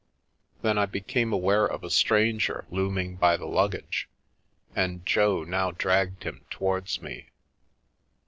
Then I became aware of a stranger looming by the luggage, and Jo now dragged him towards me.